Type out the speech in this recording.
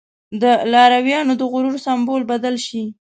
د لارويانو د غرور په سمبول بدله شي.